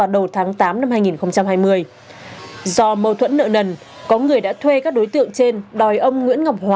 bốn trăm sáu mươi tám đối tượng